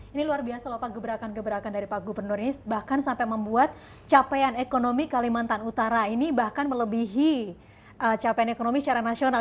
ini luar biasa lho pak gebrakan gebrakan dari pak gubernur ini bahkan sampai membuat capaian ekonomi kalimantan utara ini bahkan melebihi capaian ekonomi secara nasional